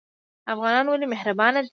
افغانان ولې مهربان دي؟